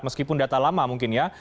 meskipun data lama mungkin ya